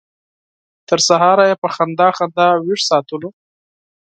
تر سهاره یې په خندا خندا ویښ وساتلو.